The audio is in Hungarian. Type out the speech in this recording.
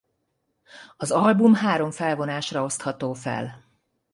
Az album három felvonásra osztható fel.